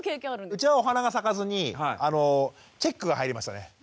うちはお花が咲かずにチェックが入りましたね。